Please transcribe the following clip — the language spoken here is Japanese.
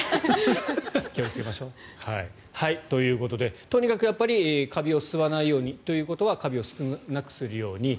気をつけましょう。ということでとにかくカビを吸わないように。ということはカビを少なくするように。